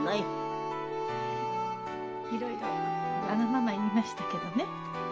いろいろわがまま言いましたけどね